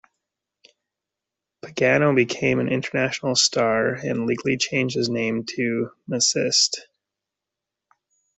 Pagano became an international star, and legally changed his name to Maciste.